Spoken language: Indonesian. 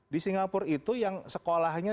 di singapura itu yang sekolahnya